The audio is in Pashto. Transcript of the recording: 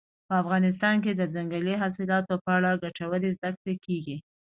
په افغانستان کې د ځنګلي حاصلاتو په اړه ګټورې زده کړې کېږي.